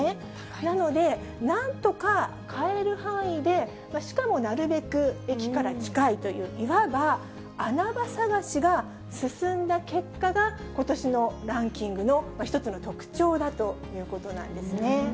なので、なんとか買える範囲で、しかもなるべく駅から近いという、いわば穴場探しが進んだ結果が、ことしのランキングの一つの特徴だということなんですね。